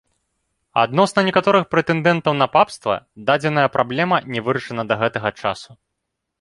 Адносна некаторых прэтэндэнтаў на папства дадзеная праблема не вырашана да гэтага часу.